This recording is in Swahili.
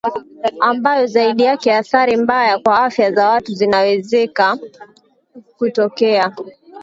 ambayo zaidi yake athari mbaya kwa afya za watu zinawezeka kutokea